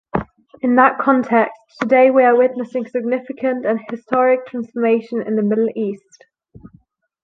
In that context, today we are witnessing significant and historic transformation in the Middle East.